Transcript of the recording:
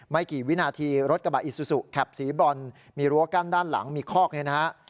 ไม่กี่วินาทีรถกระบะอิซูซูแคปสีบรอนมีรั้วกั้นด้านหลังมีคอกเนี่ยนะฮะ